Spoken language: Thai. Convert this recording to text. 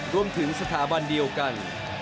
รวมถึงสถาบันเดียวกัน